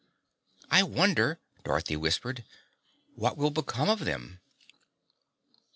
"I wonder," Dorothy whispered, "what will become of them."